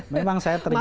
memang saya terjun